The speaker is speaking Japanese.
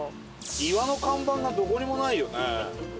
岩の看板がどこにもないよね。